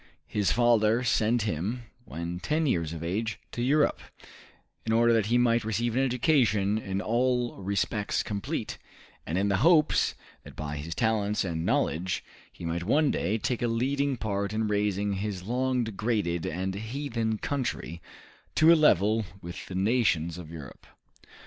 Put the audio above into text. His father sent him, when ten years of age, to Europe, in order that he might receive an education in all respects complete, and in the hopes that by his talents and knowledge he might one day take a leading part in raising his long degraded and heathen country to a level with the nations of Europe.